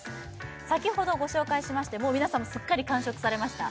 先ほどご紹介しまして皆さんもすっかり完食されました